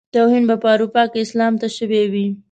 توهين به په اروپا کې اسلام ته شوی وي.